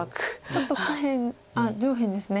ちょっと下辺あっ上辺ですね。